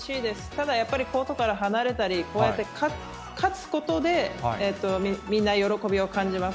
ただ、やっぱりコートから離れたり、こうやって勝つことで、みんな喜びを感じます。